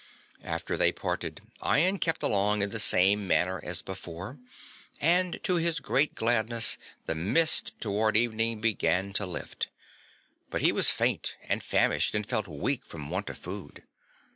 After they parted Ian kept along in the same manner as before and to his great gladness the mist towards evening began to lift. But he was faint and famished and felt weak from want of food.